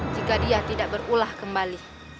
jika dia tidak berulah kembali